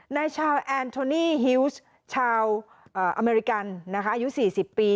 นายชาวแอนโทนี่ฮิวส์ชาวอเมริกันอายุ๔๐ปี